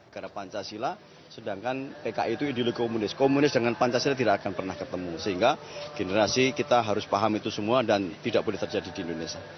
karena pancasila sedangkan pki itu ideologi komunis komunis dengan pancasila tidak akan pernah ketemu sehingga generasi kita harus paham itu semua dan tidak boleh terjadi di indonesia